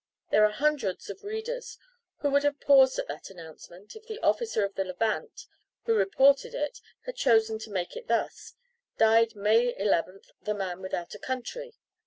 There are hundreds of readers who would have paused at that announcement, if the officer of the Levant who reported it had chosen to make it thus: "Died May 11th, THE MAN WITHOUT A COUNTRY."